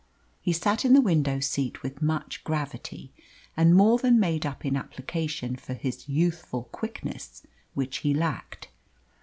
He sat in the window seat with much gravity, and more than made up in application for the youthful quickness which he lacked.